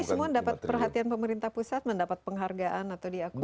ini semua dapat perhatian pemerintah pusat mendapat penghargaan atau diakui